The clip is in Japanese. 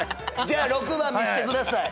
「じゃあ６番見してください」